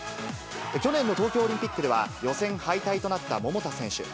去年の東京オリンピックでは、予選敗退となった桃田選手。